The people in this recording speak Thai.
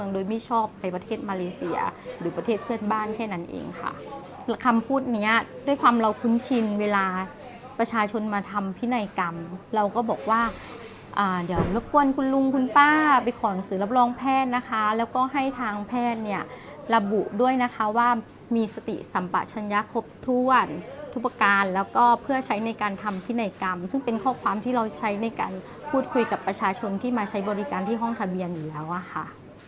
เราก็บอกว่าอ่าเดี๋ยวรบกวนคุณลุงคุณป้าไปขอหนังสือรับรองแพทย์นะคะแล้วก็ให้ทางแพทย์เนี้ยระบุด้วยนะคะว่ามีสติสัมปะชัญญาครบทุกวันทุกประการแล้วก็เพื่อใช้ในการทำพินัยกรรมซึ่งเป็นข้อความที่เราใช้ในการพูดคุยกับประชาชนที่มาใช้บริการที่ห้องทะเบียนอยู่แล้วอ่ะค่ะ